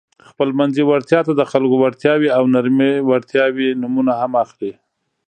خپلمنځي وړتیا ته د خلکو وړتیاوې او نرمې وړتیاوې نومونه هم اخلي.